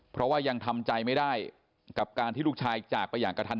เพราะว่ายังทำใจไม่ได้กับการที่ลูกชายจากไปอย่างกระทัน